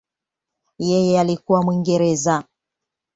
Yeye alikuwa Mwingereza.